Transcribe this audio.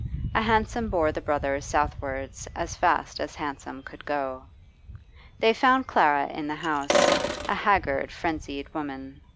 A hansom bore the brothers southwards as fast as hansom could go. They found Clara in the house, a haggard, frenzied woman.